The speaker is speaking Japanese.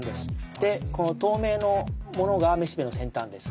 でこの透明のものがめしべの先端です。